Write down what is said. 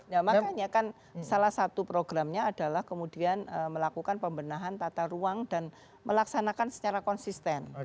nah makanya kan salah satu programnya adalah kemudian melakukan pembenahan tata ruang dan melaksanakan secara konsisten